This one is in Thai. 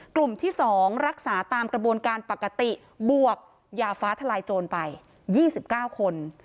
กลุ่มที่๒รักษาตามกระบวนการปกติบวกยาฟ้าทลายโจรไป๒๙คน